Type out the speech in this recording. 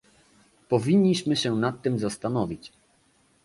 Powinniśmy się nad tym zastanowić